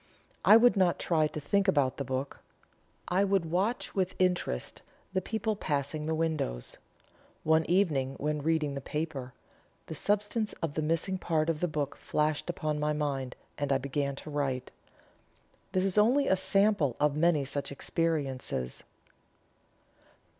I would not try to think about the book. I would watch with interest the people passing the windows. One evening when reading the paper, the substance of the missing part of the book flashed upon my mind, and I began to write. This is only a sample of many such experiences."